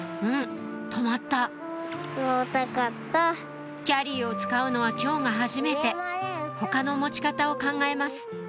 うん止まったキャリーを使うのは今日がはじめて他の持ち方を考えます